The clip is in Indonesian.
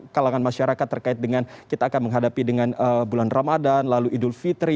kalangan masyarakat terkait dengan kita akan menghadapi dengan bulan ramadan lalu idul fitri